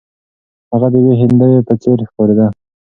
هغه د یوې هندوې په څیر ښکاریده.